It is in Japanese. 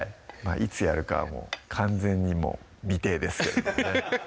いつやるかはもう完全に未定ですけどもね